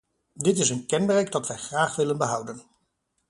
Dit is een kenmerk dat wij graag willen behouden.